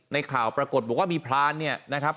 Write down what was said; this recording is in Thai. ในข่าวปรากฏบอกว่ามีพรานเนี่ยนะครับ